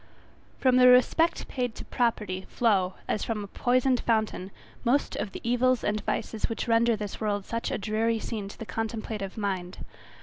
>From the respect paid to property flow, as from a poisoned fountain, most of the evils and vices which render this world such a dreary scene to the contemplative mind.